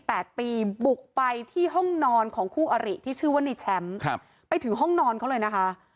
แปดปีบุกไปที่ห้องนอนของคู่อริที่ชื่อว่าในแชมป์ครับไปถึงห้องนอนเขาเลยนะคะ